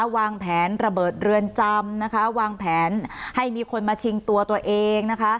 วางแผนระเบิดเรือนจำนะคะวางแผนให้มีคนมาชิงตัวตัวเองนะคะ